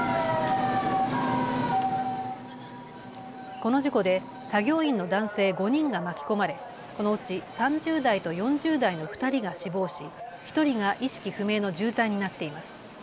この事故で作業員の男性５人が巻き込まれ、このうち３０代と４０代の２人が死亡し、１人が意識不明の重体になっています。